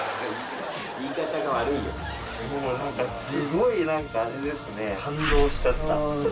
すごい何かあれですね感動しちゃった。